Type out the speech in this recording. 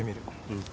うん。